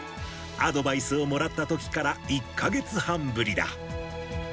アドバイスをもらったときから１か月半ぶりだ。